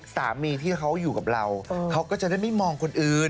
สามีที่เขาอยู่กับเราเขาก็จะได้ไม่มองคนอื่น